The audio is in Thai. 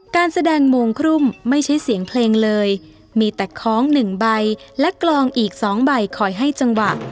การแสดงโมงครุ่มไม่ใช่เสียงเพลงเลยมีแต่คล้องหนึ่งใบและกลองอีก๒ใบคอยให้จังหวะ